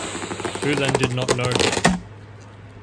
Who then did not know Him?